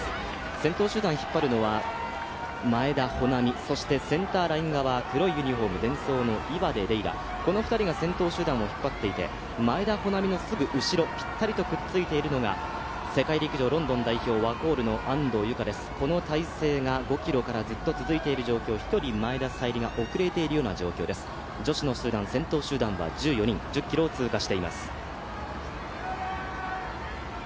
先頭集団引っ張るのは前田穂南、そして、センターライン側黒いユニフォーム、岩出玲亜、この２人が先頭集団を引っ張っていて、前田穂南のすぐ後ろ、ぴったりとひっついているのは世界陸上ロンドン代表、ワコールの安藤友香です、これが５ｋｍからずっと続いていて、１人、前田彩里が遅れているような状況です、先頭集団は１４人、１０ｋｍを通過しています。